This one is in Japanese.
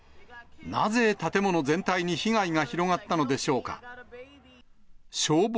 なぜ建物全体に被害が広がったのでしょうか。